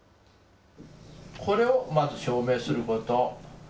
これをまず証明すること。